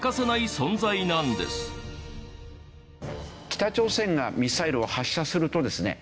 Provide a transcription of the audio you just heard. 北朝鮮がミサイルを発射するとですね